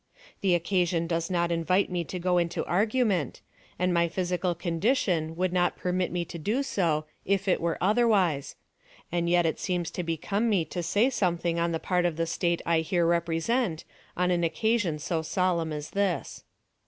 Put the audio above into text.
The occasion does not invite me to go into argument; and my physical condition would not permit me to do so, if it were otherwise; and yet it seems to become me to say something on the part of the State I here represent on an occasion so solemn as this.